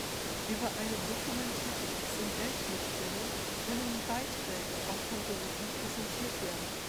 Über eine dokumentierte xml-Schnittstelle können die Beiträge auch von Dritten präsentiert werden.